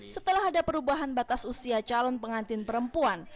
setelah ada perubahan batas usia calon pengantin perempuan